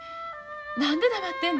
何で黙ってんの？